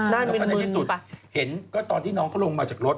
แล้วก็ในที่สุดเห็นก็ตอนที่น้องเขาลงมาจากรถ